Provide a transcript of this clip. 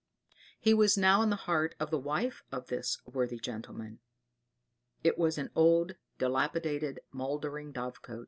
He was now in the heart of the wife of this worthy gentleman. It was an old, dilapidated, mouldering dovecot.